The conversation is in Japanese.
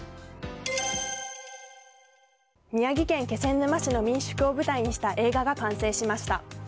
宮城県気仙沼市の民宿を舞台にした映画が完成しました。